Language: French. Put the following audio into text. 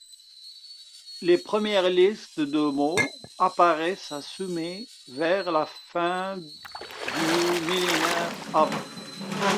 Les premières listes de mots apparaissent à Sumer, vers la fin du millénaire av.